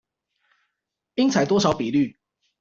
應採多少比率